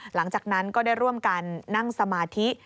หลังจากนั้นก็ได้ร่วมกันนั่งสมาธิ